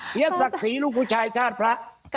เสียศักดิ์ศรีลูกผู้ชายธาตุพระ